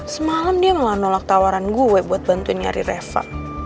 semalam dia malah nolak tawaran gue buat bantuin nyari reva